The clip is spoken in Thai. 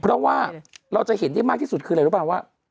เพราะว่าเราจะเห็นได้มากที่สุดคืออะไรรู้ป่ะว่า